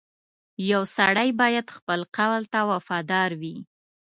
• یو سړی باید خپل قول ته وفادار وي.